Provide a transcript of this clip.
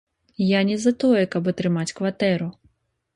Я не за тое, каб атрымаць кватэру.